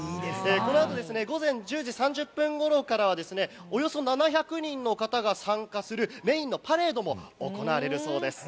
このあと午前１０時３０分ごろからはおよそ７００人の方が参加するメーンのパレードも行われるそうです。